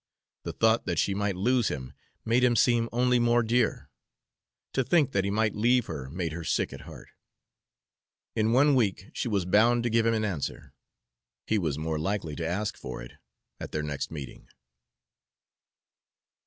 The thought that she might lose him made him seem only more dear; to think that he might leave her made her sick at heart. In one week she was bound to give him an answer; he was more likely to ask for it at their next meeting.